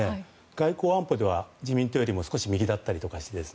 外交安保では自民党よりは少し右だったりして。